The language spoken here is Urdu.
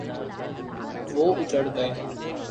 وہ اجڑ گئے۔